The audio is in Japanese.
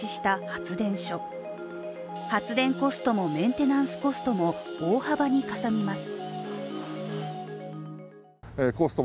発電コストもメンテナンスコストも大幅にかさみます。